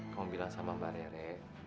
kamu bilang sama mbak rere